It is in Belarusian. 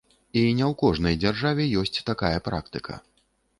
І не ў кожнай дзяржаве ёсць такая практыка.